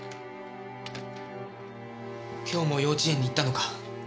今日も幼稚園に行ったのか？